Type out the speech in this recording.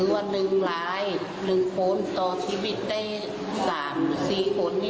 วันละสุดท้ายของชีวิตลูกชายแม่ก็บอกว่าอยากให้ลูกชาย